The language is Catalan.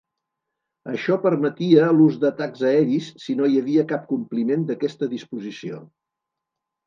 Això permetia l'ús d'atacs aeris si no hi havia cap compliment d'aquesta disposició.